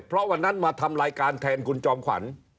เพราะวันนั้นมาทำรายการแทนคุณจอมขวัญ